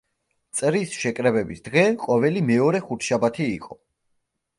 წრის შეკრებების დღე ყოველი მეორე ხუთშაბათი იყო.